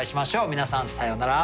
皆さんさようなら。